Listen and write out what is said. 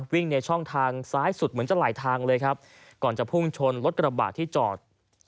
วิ่งในช่องทางซ้ายสุดเหมือนจะไหลทางเลยครับก่อนจะพุ่งชนรถกระบะที่จอด